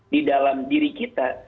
di dalam diri kita